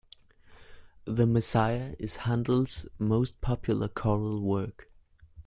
The Messiah is Handel's most popular choral work